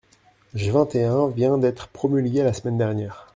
Jvingt et un vient d’être promulguée la semaine dernière.